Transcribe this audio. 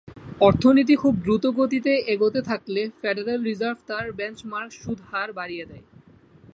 অর্থনীতি খুব দ্রুতগতিতে এগোতে থাকলে ফেডারেল রিজার্ভ তার বেঞ্চমার্ক সুদহার বাড়িয়ে দেয়।